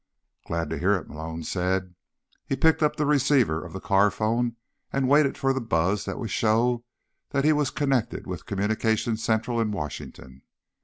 "Glad to hear it," Malone said. He picked up the receiver of the car phone and waited for the buzz that would show that he was connected with Communications Central in Washington.